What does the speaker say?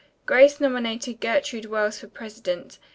Grace nominated Gertrude Wells for president.